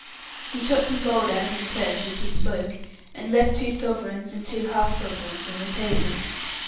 He shot some gold out of his purse as he spoke, and left two sovereigns and two half sovereigns on the table.